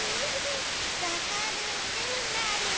わかるんるんまる。